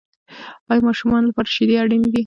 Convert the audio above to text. آیا ماشومانو لپاره شیدې اړینې دي؟